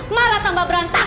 malah tambah berantakan